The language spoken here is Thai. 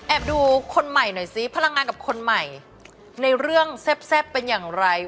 ดูคนใหม่หน่อยซิพลังงานกับคนใหม่ในเรื่องแซ่บเป็นอย่างไร